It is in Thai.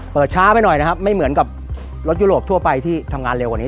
ช้าไปหน่อยนะครับไม่เหมือนกับรถยุโรปทั่วไปที่ทำงานเร็วกว่านี้